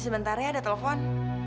sebentar ya ada telepon